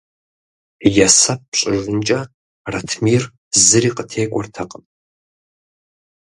Есэп щӏыжынкӏэ Ратмир зыри къытекӏуэртэкъым.